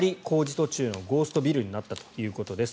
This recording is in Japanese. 途中のゴーストビルになったということです。